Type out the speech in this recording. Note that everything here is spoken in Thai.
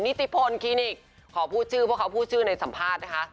นิติพลคลินิกขอพูดชื่อเพราะเขาพูดชื่อในสัมภาษณ์นะคะ